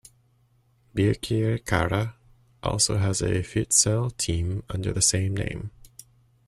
Birkirkara also has a Futsal team under the same name.